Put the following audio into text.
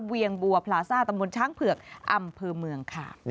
เวียงบัวพลาซ่าตำบลช้างเผือกอำเภอเมืองค่ะ